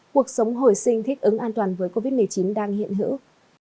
cuộc sống hồi sinh thích ứng an toàn với covid một mươi chín đang hiện hữu